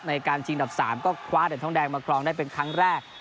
ในการชิงดับ๓ก็คว้าเหรียญทองแดงมาครองได้เป็นครั้งแรก